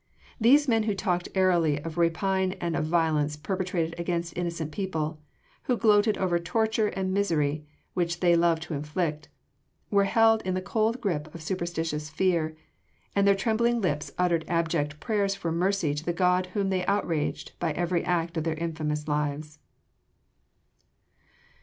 These men who talked airily of rapine and of violence perpetrated against innocent people, who gloated over torture and misery which they loved to inflict, were held in the cold grip of superstitious fear, and their trembling lips uttered abject prayers for mercy to the God whom they outraged by every act of their infamous lives.